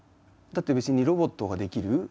だって別にロボットができる。